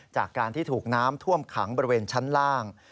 จากการที่ถูกน้ำท่วมขังบริเวณชั้นล่าง